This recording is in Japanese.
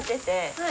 はい。